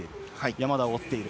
山田を追っている。